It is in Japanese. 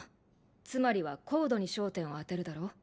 つまりはコードに焦点を当てるだろう？